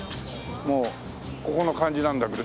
もうここの感じなんだけど。